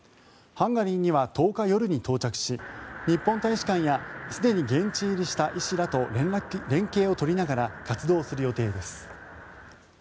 ハンガリーには１０日夜に到着し日本大使館やすでに現地入りした医師らと連携を取りながら活動する予定です。